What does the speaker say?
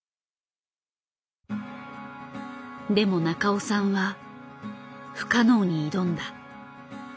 でも中尾さんは不可能に挑んだ。